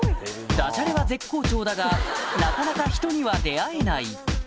ダジャレは絶好調だがなかなか人には出会えない